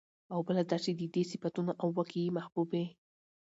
او بله دا چې د دې صفتونو او واقعي محبوبې